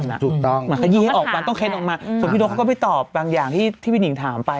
เหมือนขยี้ออกมาต้องเคล็ดออกมาส่วนพี่นกเขาก็ไปตอบบางอย่างที่พี่หนิงถามไป